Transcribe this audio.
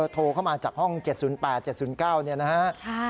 โทรเข้ามาจากห้อง๗๐๘๗๐๙เนี่ยนะฮะ